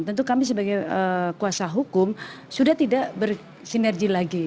tentu kami sebagai kuasa hukum sudah tidak bersinergi lagi